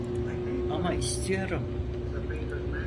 Ama istiyorum.